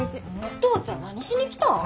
お父ちゃん何しに来たん？